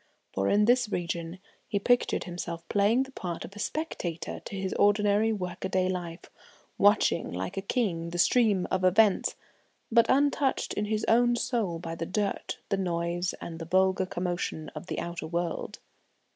For in this region he pictured himself playing the part of a spectator to his ordinary workaday life, watching, like a king, the stream of events, but untouched in his own soul by the dirt, the noise, and the vulgar commotion of the outer world.